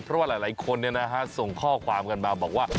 เพราะว่าหลายคนส่งข้อความกันมาบอกว่า